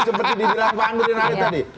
seperti di gerampang anderin tadi